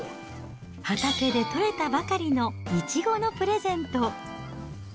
畑で取れたばかりのいちごのプレゼント。